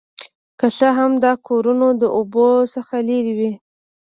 که څه هم دا کورونه د اوبو څخه لرې وي